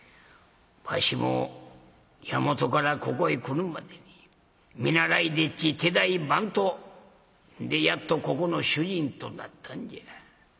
わしも大和からここへ来るまでに見習い丁稚手代番頭でやっとここの主人となったんじゃ。